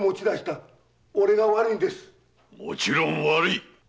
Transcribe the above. もちろん悪い！